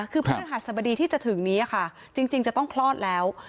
คือพฤหัสบดีที่จะถึงนี้ค่ะจริงจะต้องคลอดแล้ว